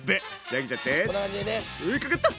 仕上げちゃって。